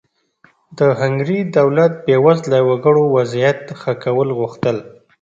د هنګري دولت د بېوزله وګړو وضعیت ښه کول غوښتل.